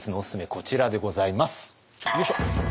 こちらでございます。